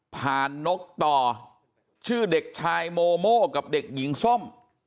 ผ่านนกต่อชื่อเด็กชายโมโม่กับเด็กหญิงส้ม